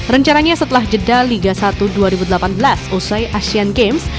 rencananya setelah jeda liga satu dua ribu delapan belas usai asean games